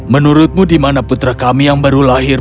menurutmu di mana putra kami yang baru lahir